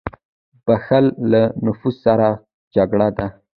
• بښل له نفس سره جګړه ده.